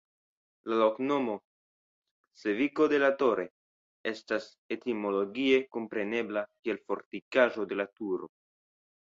La loknomo "Cevico de la Torre" estas etimologie komprenebla kiel Fortikaĵo de la Turo.